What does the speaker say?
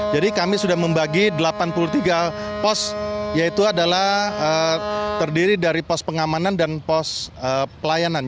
jadi kami sudah membagi delapan puluh tiga pos yaitu adalah terdiri dari pos pengamanan dan pos pelayanan